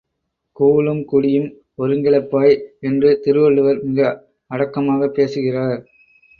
கூழும் குடியும் ஒருங்கிழப்பாய் என்று திருவள்ளுவர் மிக அடக்கமாகப் பேசுகிறார்.